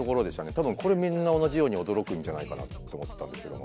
多分これみんな同じように驚くんじゃないかなって思ったんですけども。